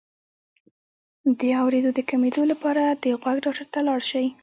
د اوریدو د کمیدو د دوام لپاره د غوږ ډاکټر ته لاړ شئ